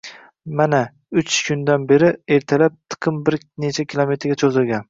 Mana, uch kundan beri, ertalab, tiqin bir necha kilometrga cho'zilgan